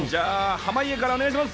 濱家からお願いします。